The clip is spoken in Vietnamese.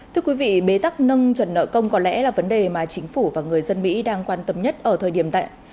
thưa quý vị bế tắc nâng trần nợ công có lẽ là vấn đề mà chính phủ và người dân mỹ đang quan tâm nhất ở thời điểm tại